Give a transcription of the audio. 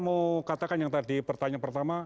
mau katakan yang tadi pertanyaan pertama